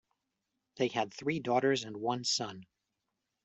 They had three daughters and one son.